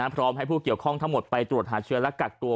พร้อมให้ผู้เกี่ยวข้องทั้งหมดไปตรวจหาเชื้อและกักตัว